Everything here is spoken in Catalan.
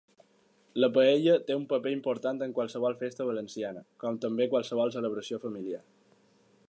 La paella té un paper important en qualsevol festa valenciana, com també qualsevol celebració familiar.